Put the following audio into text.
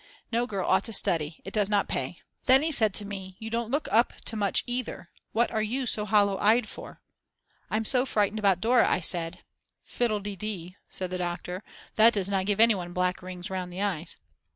No girl ought to study, it does not pay. Then he said to me: "You don't look up to much either. What are you so hollow eyed for?" "I'm so frightened about Dora," I said. "Fiddlededee," said the doctor, "that does not give anyone black rings round the eyes."